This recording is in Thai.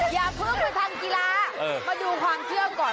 อย่าเพิ่งไปทำกีฬามาดูความเชื่อมก่อน